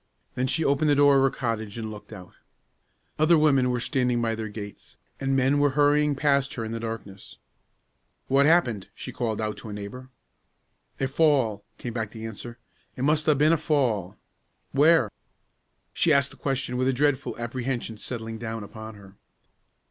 Then she opened the door of her cottage and looked out. Other women were standing by their gates, and men were hurrying past her in the darkness. "What's happened?" she called out, to a neighbor. "A fall," came back the answer; "it must 'a' been a fall." "Where?" She asked the question with a dreadful apprehension settling down upon her.